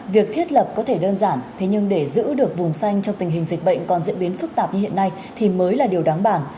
việc thiết lập có thể đơn giản thế nhưng để giữ được vùng xanh trong tình hình dịch bệnh còn diễn biến phức tạp như hiện nay thì mới là điều đáng bản